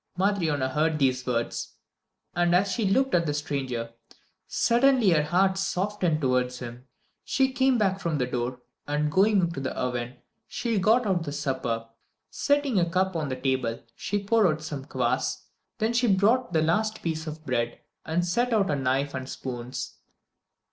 Matryona heard these words, and as she looked at the stranger, suddenly her heart softened towards him. She came back from the door, and going to the oven she got out the supper. Setting a cup on the table, she poured out some kvas. Then she brought out the last piece of bread, and set out a knife and spoons.